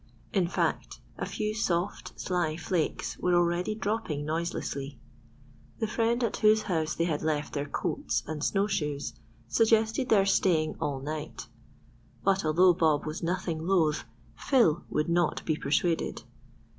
In fact, a few soft, sly flakes were already dropping noiselessly. The friend at whose house they had left their coats and snow shoes suggested their staying all night; but although Bob was nothing loath, Phil would not be persuaded.